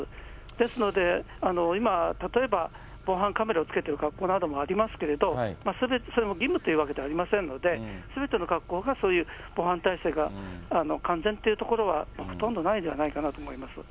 ですので、今、例えば、防犯カメラをつけてる学校などもありますけれど、それも義務というわけではありませんので、すべての学校がそういう防犯体制が完全っていう所は、ほとんどないんではないかなと思います。